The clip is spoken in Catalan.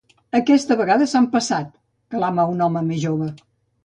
Aquesta vegada s'han passat —clama un home més jove—.